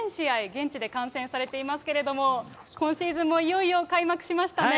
現地で観戦されていますけれども、今シーズンもいよいよ開幕しましたね。